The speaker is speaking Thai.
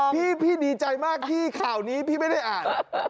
พี่ดีใจมากที่ข่าวนี้พี่ไม่ได้อ่าน